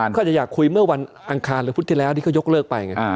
เขาอาจจะอยากคุยเมื่อวันอังคารหรือพุธที่แล้วที่เขายกเลิกไปไง